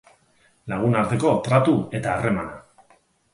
Lagunarteko tratu eta harremana.